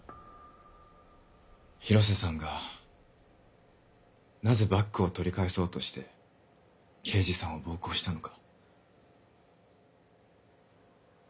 広瀬さんがなぜバッグを取り返そうとして刑事さんを暴行したのか。